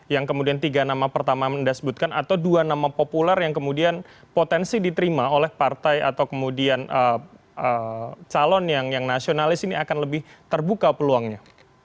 yang kemudian tiga nama pertama anda sebutkan atau dua nama populer yang kemudian potensi diterima oleh partai atau kemudian calon yang nasionalis ini akan lebih terbuka peluangnya